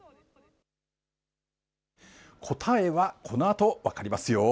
答えは、このあと分かりますよ。